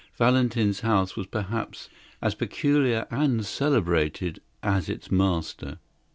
Valentin's house was perhaps as peculiar and celebrated as its master.